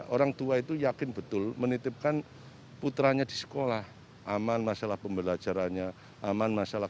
orang tua itu yakin betul menitipkan putranya di sekolah aman masalah pembelajarannya aman masalah